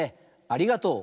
ありがとう。